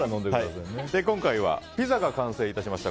今回は、ピザが完成いたしました。